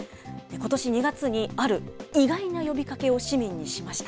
ことし２月に、ある意外な呼びかけを市民にしました。